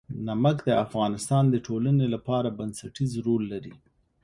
نمک د افغانستان د ټولنې لپاره بنسټيز رول لري.